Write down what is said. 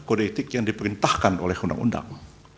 kode etik yang diperintahkan oleh undang undang